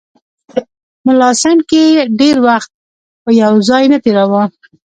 ملا سنډکي ډېر وخت په یو ځای نه تېراوه.